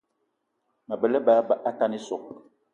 Mabe á lebá atane ísogò